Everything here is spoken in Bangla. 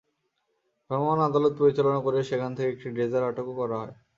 ভ্রাম্যমাণ আদালত পরিচালনা করে সেখান থেকে একটি ড্রেজার আটকও করা হয়।